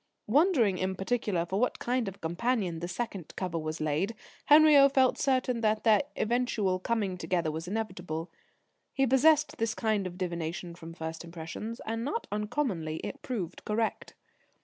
Wondering in particular for what kind of a companion the second cover was laid, Henriot felt certain that their eventual coming together was inevitable. He possessed this kind of divination from first impressions, and not uncommonly it proved correct.